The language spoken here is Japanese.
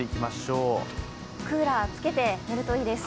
クーラーつけて寝るといいです。